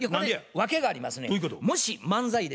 訳がありますねや。